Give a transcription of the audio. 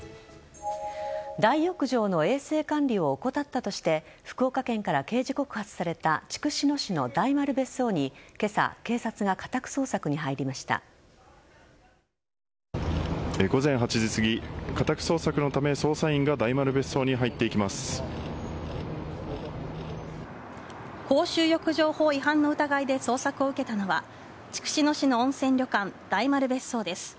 大浴場の衛生管理を怠ったとして福岡県から刑事告発された筑紫野市の大丸別荘に今朝、警察が午前８時すぎ家宅捜索のため捜査員が公衆浴場法違反の疑いで捜索を受けたのは筑紫野市の温泉旅館大丸別荘です。